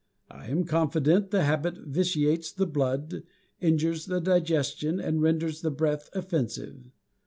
I am confident the habit vitiates the blood, injures the digestion, and renders the breath offensive.